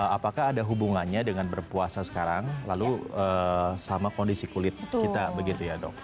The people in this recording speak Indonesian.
apakah ada hubungannya dengan berpuasa sekarang lalu sama kondisi kulit kita begitu ya dok